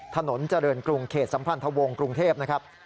ถนนเจริญกรุงเขตสัมพันธวงศ์กรุงเทพนะครับ